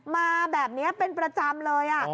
มาแบบนี้เป็นประจำเลย